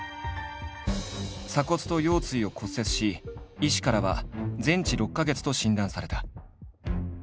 鎖骨と腰椎を骨折し医師からは全治６か月と診断された。